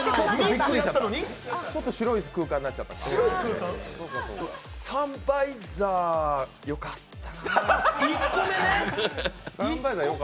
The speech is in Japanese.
ちょっと白い空間になっちゃったか。